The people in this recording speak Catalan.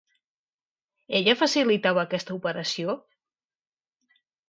Ella facilitava aquesta operació?